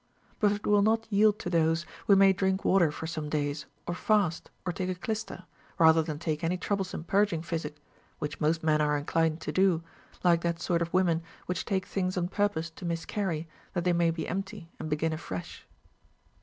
But if it will not yield to those, we may drink water for some days, or fast, or take a clyster, rather than take any troublesome purging physic ; which most men are inclined to do, like that sort of women which take things on purpose to miscarry, that they may be empty and begin afresh.